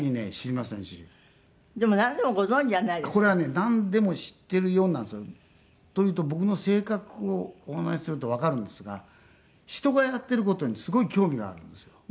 なんでも知っているようなんですよ。というと僕の性格をお話しするとわかるんですが人がやっている事にすごい興味があるんですよ。